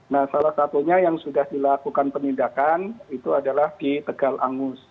nah salah satunya yang sudah dilakukan penindakan itu adalah di tegal angus